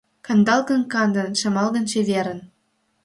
Кандалгын-кандын, шемалгын-чеверын!